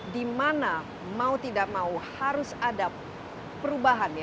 di mana mau tidak mau harus ada perubahan